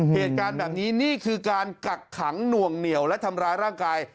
เหตุการณ์แบบนี้นี่คือการกักขังหน่วงเหนียวและทำร้ายร่างกาย